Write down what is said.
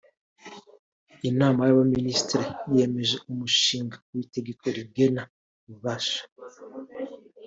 Inama y’Abaminisitiri yemeje Umushinga w’Itegeko rigena ububasha